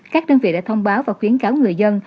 các đơn vị đã thông báo và khuyến cáo người dân